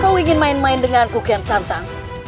kau ingin main main dengan kian santan